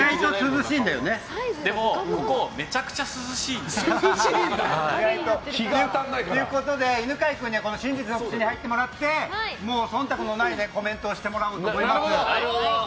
でも、ここめちゃくちゃ涼しいんで。ということで犬飼君には真実の口に入ってもらって忖度のないコメントをしてもらおうと思います。